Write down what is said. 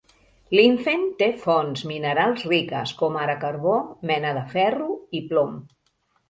Linfen té fonts minerals riques, com ara carbó, mena de ferro i plom.